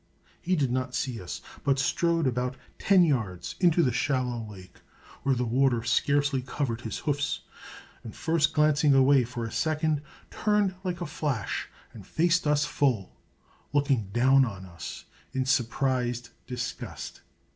He did not see us, but strode about ten yards into the shallow lake, where the water scarcely covered his hoofs, and, first glancing away for a second, turned like a flash and faced us full, looking down on us in surprised disgust.